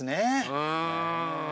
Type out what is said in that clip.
うん。